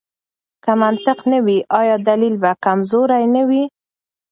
که منطق نه وي، آیا دلیل به کمزوری نه وي؟